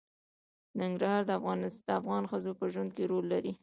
ننګرهار د افغان ښځو په ژوند کې رول لري.